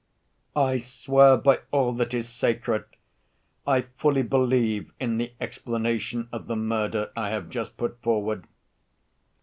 I swear by all that is sacred, I fully believe in the explanation of the murder I have just put forward.